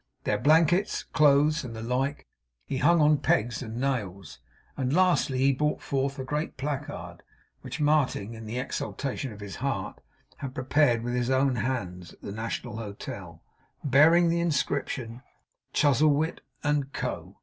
Their blankets, clothes, and the like, he hung on pegs and nails. And lastly, he brought forth a great placard (which Martin in the exultation of his heart had prepared with his own hands at the National Hotel) bearing the inscription, CHUZZLEWIT & CO.